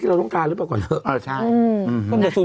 แต่แค่เวลาเมื่อเกี่ยวก็อยากที่บอก